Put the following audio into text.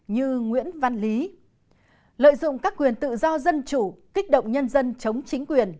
như nguyễn văn lý lợi dụng các quyền tự do dân chủ kích động nhân dân chống chính quyền